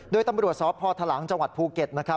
โดยตำรวจสอบพทหลังจภูเก็ตนะครับ